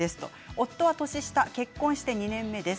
夫は年下、結婚して２年目です。